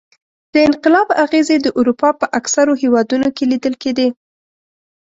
د انقلاب اغېزې د اروپا په اکثرو هېوادونو کې لیدل کېدې.